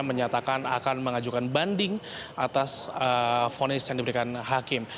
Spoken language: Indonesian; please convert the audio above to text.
menyatakan akan mengajukan banding atas vonis yang diberikan hakim